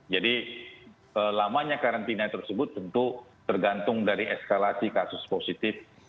jadi lamanya karantina tersebut tentu tergantung dari eskalasi kasus positif